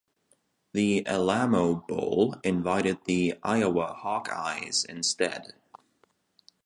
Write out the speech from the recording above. The Alamo Bowl invited the Iowa Hawkeyes instead.